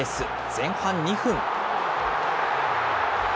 前半２分。